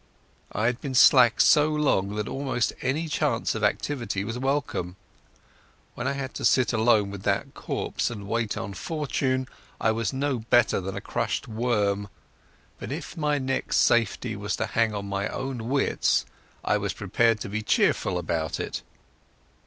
I had been slack so long that almost any chance of activity was welcome. When I had to sit alone with that corpse and wait on Fortune I was no better than a crushed worm, but if my neck's safety was to hang on my own wits I was prepared to be cheerful about it.